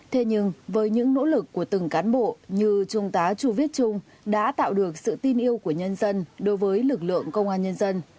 thế nhưng với những nỗ lực của từng cán bộ như trung tá chu viết trung đã tạo được sự tin yêu của nhân dân đối với lực lượng công an nhân dân